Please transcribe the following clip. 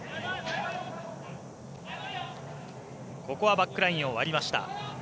バックラインを割りました。